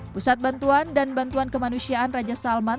pusat bantuan dan bantuan kemanusiaan raja salman